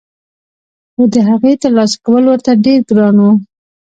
خو دهغې ترلاسه کول ورته ډېر ګران وو